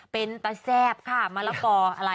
เป็นตะแซ่บค่ะมะละกออะไร